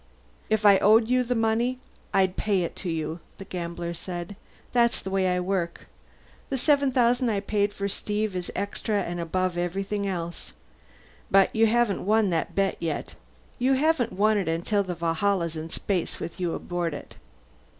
"If I owed you the money, I'd pay it to you," the gambler said. "That's the way I work. The seven thousand I paid for Steve is extra and above everything else. But you haven't won that bet yet. You haven't won it until the Valhalla's in space with you aboard it."